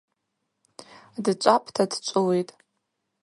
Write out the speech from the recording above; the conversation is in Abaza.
Дчӏвапӏта дчӏвыуитӏ.